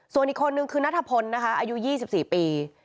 ส่วนอีกคนนึงคือนัทพลนะคะอายุ๒๔ปี